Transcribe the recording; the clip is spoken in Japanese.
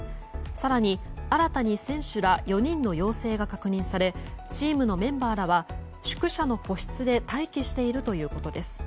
更に新たに選手ら４人の陽性が確認されチームのメンバーらは宿舎の個室で待機しているということです。